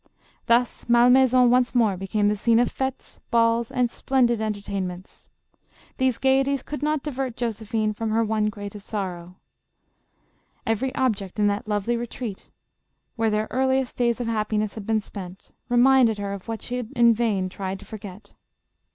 Thus Malmaison once more became the scene of fetes, balls and splendid entertainments. These gayeties could not divert Josephine from her one great sorrow. Every object in that lovely retreat where their earliest JOSEPHINE. 261 days of happiness had been spent, reminded her of what she in vain tried to forget.